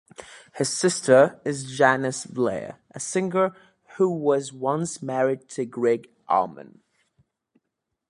His sister is Janice Blair, a singer who was once married to Gregg Allman.